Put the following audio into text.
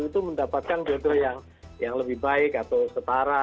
itu mendapatkan jodoh yang lebih baik atau setara